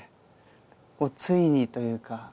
ついにというか。